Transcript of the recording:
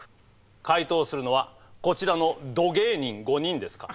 解答するのはこちらのど芸人５人ですか？